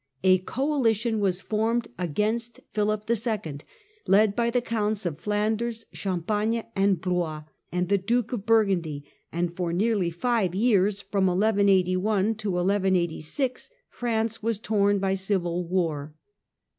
A coalition was formed against Philip II., led by the Counts of Flanders, Champagne and Blois, and the Duke of Burgundy, and for nearly five years, from 1181 to 1186, France was torn by civil war.